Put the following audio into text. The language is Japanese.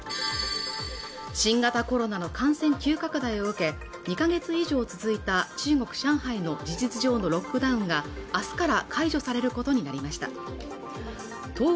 新型コロナの感染急拡大を受け２か月以上続いた中国上海の事実上のロックダウンが明日から解除されることになりました